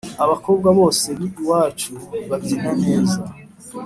abakobwa bose bi iwacu babyina neza